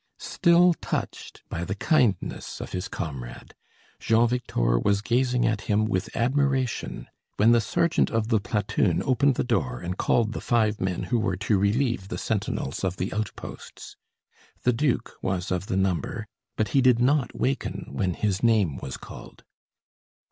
Still touched by the kindness of his comrade, Jean Victor was gazing at him with admiration, when the sergeant of the platoon opened the door and called the five men who were to relieve the sentinels of the out posts. The duke was of the number, but he did not waken when his name was called.